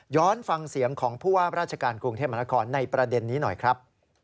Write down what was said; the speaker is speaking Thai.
ฟังเสียงของผู้ว่าราชการกรุงเทพมหานครในประเด็นนี้หน่อยครับ